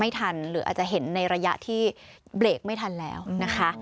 ทันหรืออาจจะเห็นในระยะที่เบรกไม่ทันแล้วนะคะ